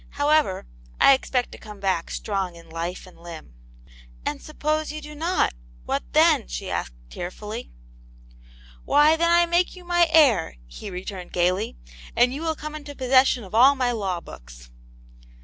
However, I expect to come back strong in life and limb." *' And suppose you do not ? What then ?she asked, tearfully. " Why, then, I make you my heir !" he returned, gaily, " and you will come into possession of all my law books."